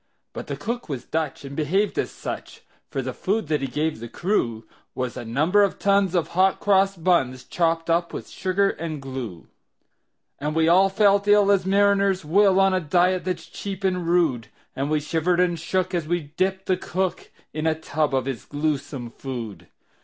But the cook was Dutch, and behaved as such; For the food that he gave the crew Was a number of tons of hot cross buns, Chopped up with sugar and glue. And we all felt ill as mariners will, On a diet that's cheap and rude; And we shivered and shook as we dipped the cook In a tub of his gluesome food.